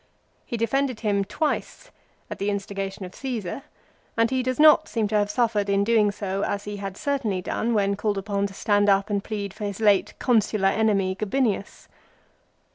He Defended him twice, at the instigation of Caesar, and he does not seem to have suffered in doing so as he had certainly done when called upon to stand up and plead for his late Consular enemy, Gabinius.